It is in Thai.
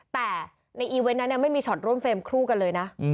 แต่ในอีเวนต์นั้นไม่มีช็อตร่วมเฟรมคู่กันเลยนะ